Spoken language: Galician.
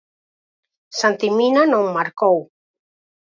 Santi Mina non marcou.